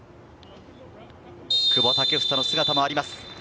久保建英の姿もあります。